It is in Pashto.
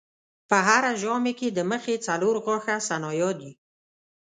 په هره ژامه کې د مخې څلور غاښه ثنایا دي.